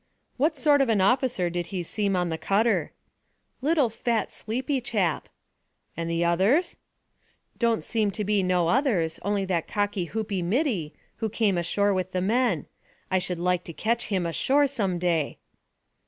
"What sort of an officer did he seem on the cutter?" "Little, fat, sleepy chap." "And the others?" "Don't seem to be no others, only that cocky hoopy middy, who came ashore with the men. I should like to ketch him ashore some day."